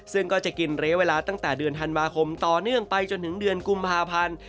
ซึ่งก็จะกินระยะเวลาตั้งแต่เดือนธันวาคมต่อเนื่องไปจนถึงเดือนกุมภาพันธ์